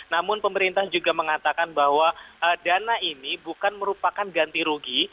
namun pemerintah juga mengatakan bahwa dana ini bukan merupakan ganti rugi